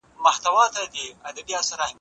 موږ په پوهنتون کي سياست لولو.